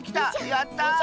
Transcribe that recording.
やった！